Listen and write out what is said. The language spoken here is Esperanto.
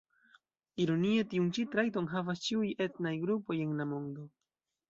Ironie, tiun ĉi trajton havas ĉiuj etnaj grupoj en la mondo.